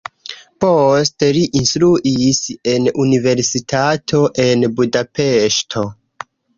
Poste li instruis en universitato en Budapeŝto.